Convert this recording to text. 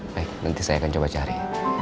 baik nanti saya akan coba cari